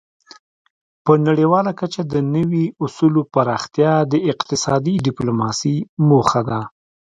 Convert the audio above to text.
په نړیواله کچه د نوي اصولو پراختیا د اقتصادي ډیپلوماسي موخه ده